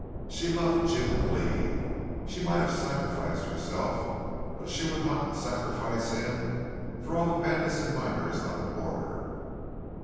She loved Jim Cleve. She might have sacrificed herself, but she would not sacrifice him for all the bandits and miners on the border.